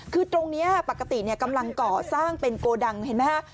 คือตรงนี้ปกติกำลังก่อสร้างเป็นโกดังเห็นไหมฮะ